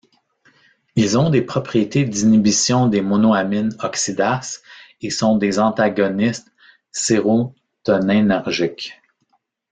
Ils ont des propriétés d'inhibitions des monoamine oxydases et sont des antagonistes sérotoninergiques.